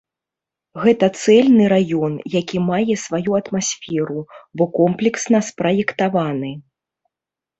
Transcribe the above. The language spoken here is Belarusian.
Гэта цэльны раён, які мае сваю атмасферу, бо комплексна спраектаваны.